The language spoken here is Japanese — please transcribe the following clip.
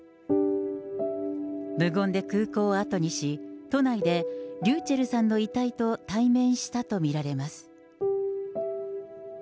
無言で空港を後にし、都内でｒｙｕｃｈｅｌｌさんの遺体と対面したと見られます。